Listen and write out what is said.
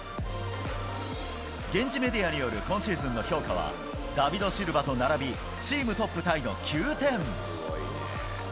現地メディアによる今シーズンの評価は、ダビド・シルバと並び、チームトップタイの９点。